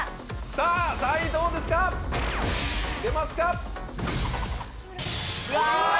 さぁ３位どうですか⁉出ますか